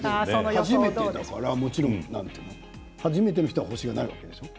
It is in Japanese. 初めてだから初めての人は星がないわけでしょう？